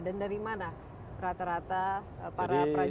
dan dari mana rata rata para prajurit angkatan lawat mendapatkan pendidikan